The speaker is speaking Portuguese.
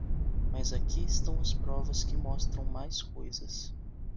Mas aqui estão as provas que mostram mais coisas.